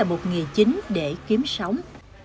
và một nghề chính để kiếm sống